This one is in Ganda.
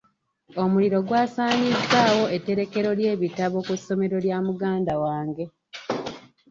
Omuliro gw’asaanyizaawo etterekero ly’ebitabo ku ssomero lya muganda wange.